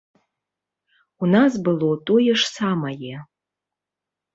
У нас было тое ж самае.